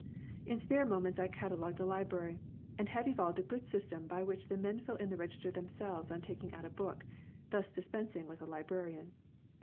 In spare moments I catalogue the library, and have evolved a good system by which the men fill in the register themselves on taking out a book, thus dispensing with a librarian.